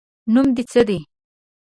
نوم دې څه ده؟